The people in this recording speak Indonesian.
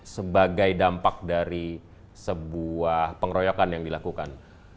sebagai dampak dari sebuah pengeroyokan yang dilakukan